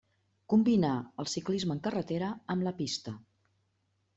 Combinà el ciclisme en carretera amb la pista.